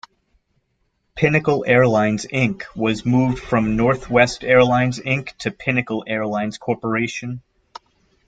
Pinnacle Airlines, Inc was moved from Northwest Airlines, Inc to Pinnacle Airlines Corporation.